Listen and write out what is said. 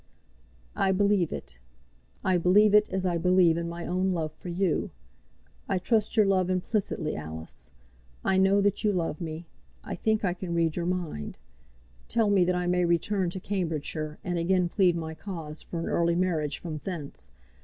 "I believe it. I believe it as I believe in my own love for you. I trust your love implicitly, Alice. I know that you love me. I think I can read your mind. Tell me that I may return to Cambridgeshire, and again plead my cause for an early marriage from thence.